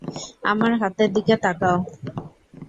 আমার হাতের দিকে তাকাও।